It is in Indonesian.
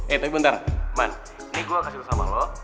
eh tapi bentar man ini gue kasih bersama lo